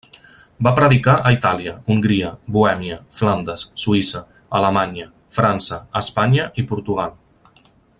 Va predicar a Itàlia, Hongria, Bohèmia, Flandes, Suïssa, Alemanya, França, Espanya i Portugal.